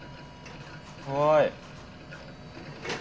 はい。